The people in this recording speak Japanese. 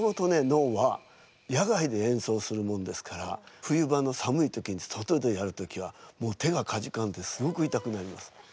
能は野外で演奏するもんですから冬場の寒い時に外でやる時はもう手がかじかんですごく痛くなります。